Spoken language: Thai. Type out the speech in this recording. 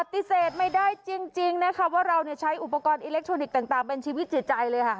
ปฏิเสธไม่ได้จริงนะคะว่าเราใช้อุปกรณ์อิเล็กทรอนิกส์ต่างเป็นชีวิตจิตใจเลยค่ะ